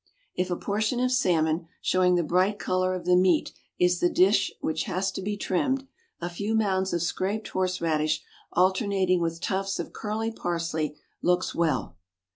If a portion of salmon, showing the bright colour of the meat, is the dish which has to be trimmed, a few mounds of scraped horseradish alternating with tufts of curly parsley looks well.